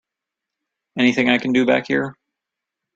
Anything I can do back here?